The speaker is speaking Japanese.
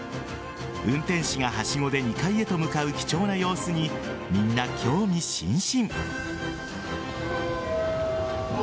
運転士がはしごで２階へと向かう貴重な様子にみんな興味津々。